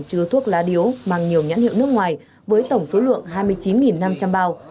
chứa thuốc lá điếu mang nhiều nhãn hiệu nước ngoài với tổng số lượng hai mươi chín năm trăm linh bao